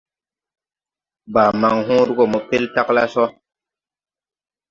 Baa man hõõre go mo pel tagla so.